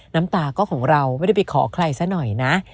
น้ำตาก็ของเราไม่ได้ไปขอใครซะหน่อยนะ